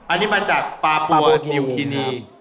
อันนี้มาจากปลาปูกินี